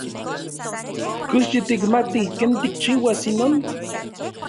¿Kox yitikmati ken tikchiuas inon?